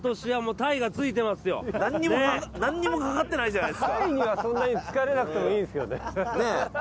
鯛にはそんなにつかれなくてもいいんですけどね。